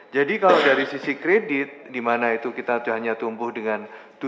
jadi kalau dari sisi kredit di mana itu kita hanya tumbuh dengan tujuh tujuh